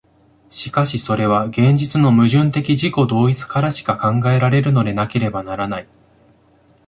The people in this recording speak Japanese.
しかしそれは現実の矛盾的自己同一からしか考えられるのでなければならない。